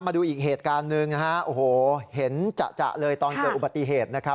มาดูอีกเหตุการณ์หนึ่งนะฮะโอ้โหเห็นจะเลยตอนเกิดอุบัติเหตุนะครับ